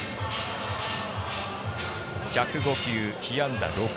１０５球、被安打６。